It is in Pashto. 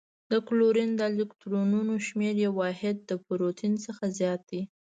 د کلورین د الکترونونو شمیر یو واحد د پروتون څخه زیات دی.